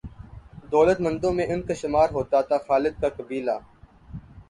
دولت مندوں میں ان کا شمار ہوتا تھا۔ خالد کا قبیلہ